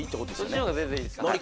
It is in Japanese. そっちの方が全然いいです。